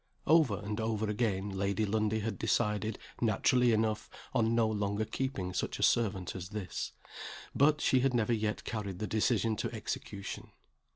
Over and over again, Lady Lundie had decided, naturally enough, on no longer keeping such a servant as this; but she had never yet carried the decision to execution.